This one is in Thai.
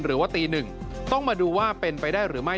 หรือว่าตีหนึ่งต้องมาดูว่าเป็นไปได้หรือไม่